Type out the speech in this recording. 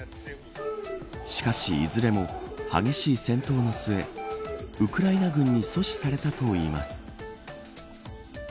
しかしいずれも激しい戦闘の末ウクライナ軍に阻止されたといいます。